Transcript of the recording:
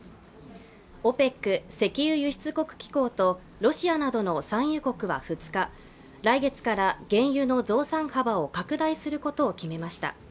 ＯＰＥＣ＝石油輸出国機構とロシアなどの産油国は２日来月から原油の増産幅を拡大することを決めました